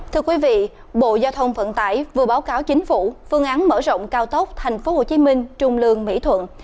thưa quý vị bộ giao thông vận tải vừa báo cáo chính phủ phương án mở rộng cao tốc tp hcm trung lương mỹ thuận